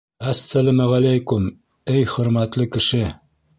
— Әс-сәләмә-ғәләйкүм, эй хөрмәтле кеше!